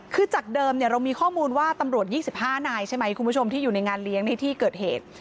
คือจากเดิมเรามีข้อมูลว่าตำรวจ๒๕นายใช่ไหมคุณผู้ชมที่อยู่ในงานเลี้ยงในที่เกิดเหตุ